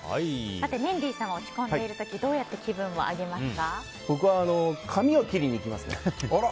メンディーさんは落ち込んでいる時僕は、髪を切りに行きますね。